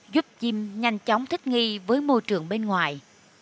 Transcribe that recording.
giúp chim nhanh chóng thích nghi với môi trường bên ngoài